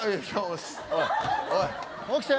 起きて。